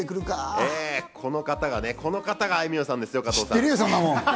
この方がね、この方があいみょんさんですよ、加藤さん。